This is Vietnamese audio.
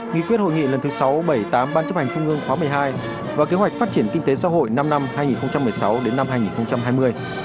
nghị quyết hội nghị lần thứ sáu bảy mươi tám ban chấp hành trung ương khóa một mươi hai và kế hoạch phát triển kinh tế xã hội năm năm hai nghìn một mươi sáu đến năm hai nghìn hai mươi